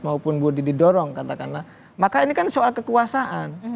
maka ini kan soal kekuasaan